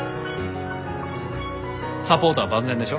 サポートは万全でしょ？